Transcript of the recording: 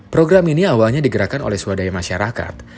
program ini awalnya digerakkan oleh swadaya masyarakat